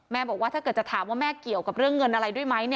บอกว่าถ้าเกิดจะถามว่าแม่เกี่ยวกับเรื่องเงินอะไรด้วยไหม